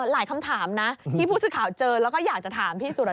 หลายคำถามนะที่ผู้สื่อข่าวเจอแล้วก็อยากจะถามพี่สุรัต